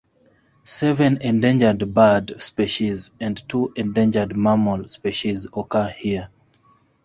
Seven endangered bird species and two endangered mammal species occur here.